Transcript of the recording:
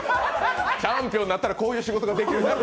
チャンピオンになったらこういう仕事ができるようになる。